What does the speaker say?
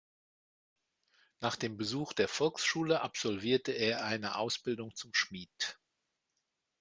Nach dem Besuch der Volksschule absolvierte er eine Ausbildung zum Schmied.